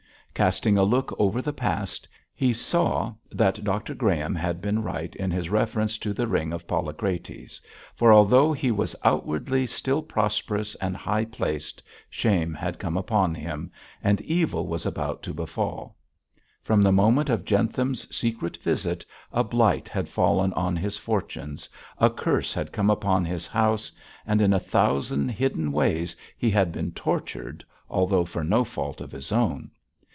Casting a look over the past, he saw that Dr Graham had been right in his reference to the Ring of Polycrates, for although he was outwardly still prosperous and high placed, shame had come upon him, and evil was about to befall. From the moment of Jentham's secret visit a blight had fallen on his fortunes, a curse had come upon his house, and in a thousand hidden ways he had been tortured, although for no fault of his own.